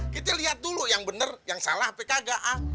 kita liat dulu yang bener yang salah apa kagak